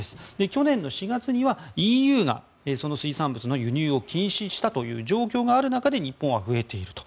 去年の４月にはＥＵが水産物の輸入を禁止したという状況がある中で日本は増えていると。